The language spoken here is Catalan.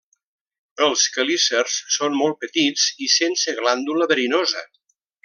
Els quelícers són molt petits i sense glàndula verinosa.